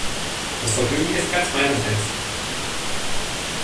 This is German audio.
Das Vergnügen ist ganz meinerseits.